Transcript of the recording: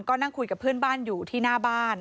คุยกับเพื่อนที่บ้านอยู่ที่หน้าบ้าน